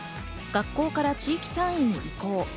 学校から地域単位に移行。